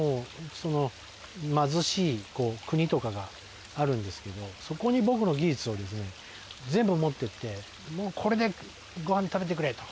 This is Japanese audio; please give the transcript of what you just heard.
貧しい国とかがあるんですけどそこに僕の技術をですね全部持っていって「これでご飯食べてくれ」と。